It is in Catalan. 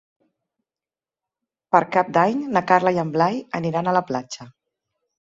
Per Cap d'Any na Carla i en Blai aniran a la platja.